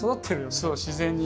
そう自然に。